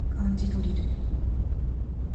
漢字ドリル